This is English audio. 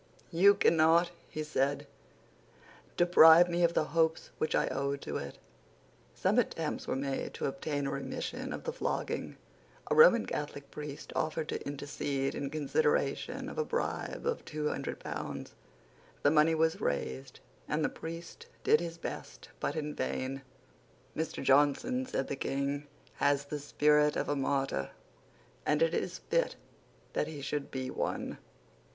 "You cannot," he said, "deprive me of the hopes which I owe to it." Some attempts were made to obtain a remission of the flogging. A Roman Catholic priest offered to intercede in consideration of a bribe of two hundred pounds. The money was raised; and the priest did his best, but in vain. "Mr. Johnson," said the King, "has the spirit of a martyr; and it is fit that he should be one."